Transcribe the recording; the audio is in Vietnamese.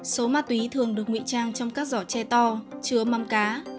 số ma túy thường được nguy trang trong các giỏ tre to chứa mắm cá